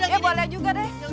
ya boleh juga deh